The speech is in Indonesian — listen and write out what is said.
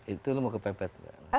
itu lo mau kepepet